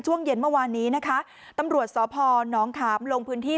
ช่วงเย็นเมื่อวานนี้นะคะตำรวจสพนขามลงพื้นที่